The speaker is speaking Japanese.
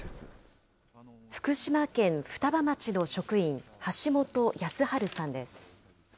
福島県双葉町の職員、橋本靖治さんです。